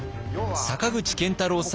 坂口健太郎さん